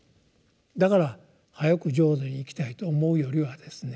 だから早く浄土に行きたいと思うよりはですね